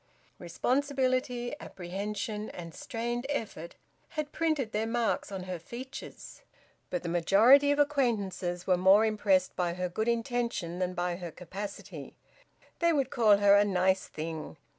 Responsibility, apprehension, and strained effort had printed their marks on her features. But the majority of acquaintances were more impressed by her good intention than by her capacity; they would call her `a nice thing.'